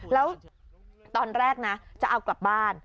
แล้วตอนแรกนะจะเอากลับบ้าน